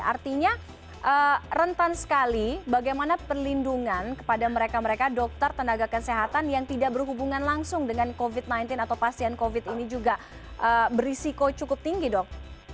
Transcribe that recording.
artinya rentan sekali bagaimana perlindungan kepada mereka mereka dokter tenaga kesehatan yang tidak berhubungan langsung dengan covid sembilan belas atau pasien covid ini juga berisiko cukup tinggi dok